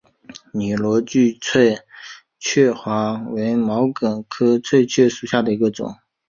拟螺距翠雀花为毛茛科翠雀属下的一个种。